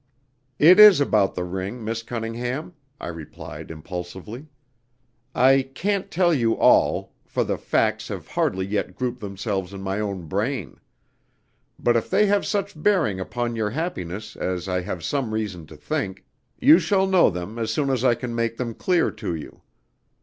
"It is about the ring, Miss Cunningham," I replied impulsively. "I can't tell you all, for the facts have hardly yet grouped themselves in my own brain. But if they have such bearing upon your happiness as I have some reason to think, you shall know them as soon as I can make them clear to you.